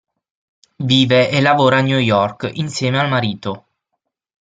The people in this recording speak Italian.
Vive e lavora a New York insieme al marito.